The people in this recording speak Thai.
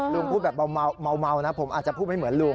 พูดแบบเมานะผมอาจจะพูดไม่เหมือนลุง